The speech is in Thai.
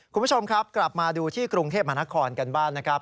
คุณผู้ชมครับกลับมาดูที่กรุงเทพมหานครกันบ้างนะครับ